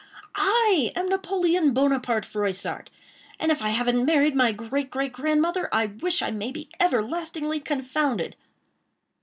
I am Napoleon Bonaparte Froissart! and if I havn't married my great, great, grandmother, I wish I may be everlastingly confounded!"